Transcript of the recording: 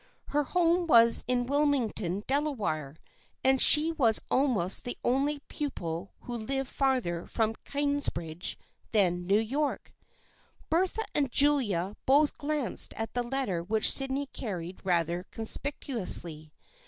Her home was in Wilmington, Delaware, and she was almost the only pupil who lived farther from Kingsbridge than New York. THE FKIENDSHIP OF ANNE 75 Bertha and Julia both glanced at the letter which Sydney carried rather conspicuously.